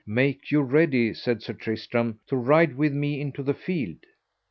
Make you ready, said Sir Tristram, to ride with me into the field.